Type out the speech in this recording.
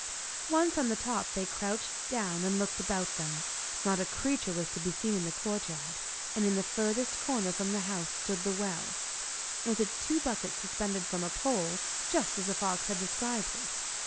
Once on the top they crouched down and looked about them. Not a creature was to be seen in the courtyard, and in the furthest corner from the house stood the well, with its two buckets suspended from a pole, just as the fox had described it.